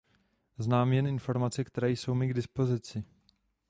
Znám jen informace, které jsou mi k dispozici.